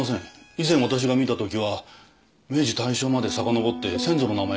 以前わたしが見たときは明治大正までさかのぼって先祖の名前が書いてありましたが。